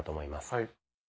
はい。